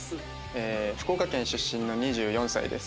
福岡県出身の２４歳です。